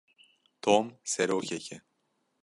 Tom serokek e.